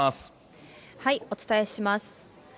お伝えします。